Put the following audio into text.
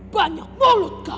banyak mulut kau